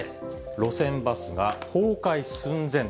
路線バスが崩壊寸前。